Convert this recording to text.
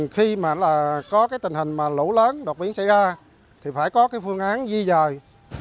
khi mà có tình hình lũ lớn đột biến xảy ra thì phải có phương án di dời